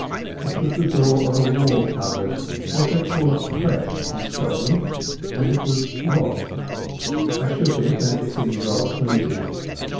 It was the door of a wall cupboard—what they call a "press" in Scotland—and it was locked. I shook it, and it seemed rather flimsy.